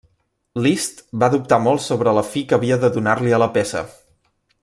Liszt va dubtar molt sobre la fi que havia de donar-li a la peça.